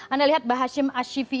anda lihat mbak hashim ashifi